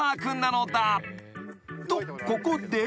［とここで］